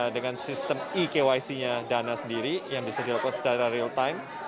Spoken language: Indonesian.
dengan sistem e kyc nya dana sendiri yang bisa dilakukan secara real time